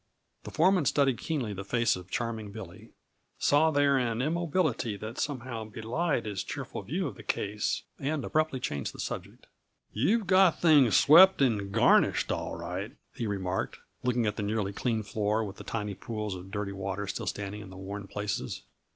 The foreman studied keenly the face of Charming Billy, saw there an immobility that somehow belied his cheerful view of the case, and abruptly changed the subject. "You've got things swept and garnished, all right," he remarked, looking at the nearly clean floor with the tiny pools of dirty water still standing in the worn places.